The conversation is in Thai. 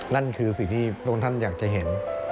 นั่นคือสิ่งที่พระองค์ท่านอยากจะเห็น